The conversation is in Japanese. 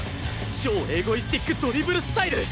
超エゴイスティックドリブルスタイル！